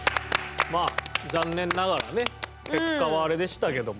まあ残念ながらね結果はあれでしたけども。